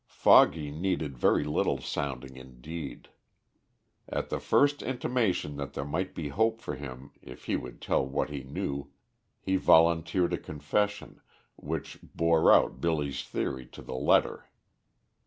Foggy needed very little sounding indeed. At the first intimation that there might be hope for him if he would tell what he knew he volunteered a confession, which bore out Billy's theory to the letter.